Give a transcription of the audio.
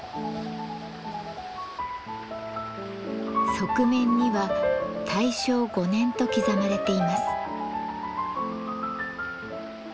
側面には「大正五年」と刻まれています。